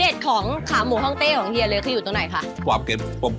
ชื่อกลางนี้เลยง่ายกลาง